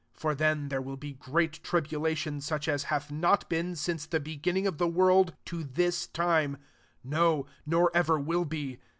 21 F0f then there will be great tribul% tion such as hath not been sine! the beginning of the world, to thii time ; no, nor ever will be.